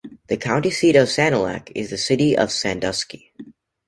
The county seat of Sanilac is the city of Sandusky.